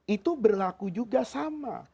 itu berlaku juga sama